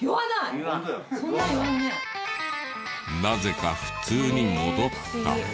なぜか普通に戻った。